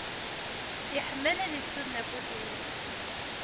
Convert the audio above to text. Iḥemmel ad isuden afus-ines.